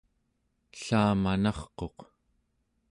ellamanarquq